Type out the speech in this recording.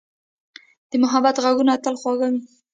د محبت ږغونه تل خوږ وي.